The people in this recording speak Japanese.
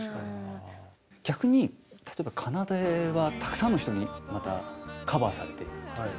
逆に例えば「奏」はたくさんの人にまたカバーされているという。